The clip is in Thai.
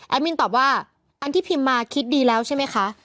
มินตอบว่าอันที่พิมพ์มาคิดดีแล้วใช่ไหมคะ